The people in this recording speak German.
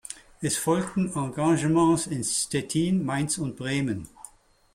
Es folgten Engagements in Stettin, Mainz und Bremen.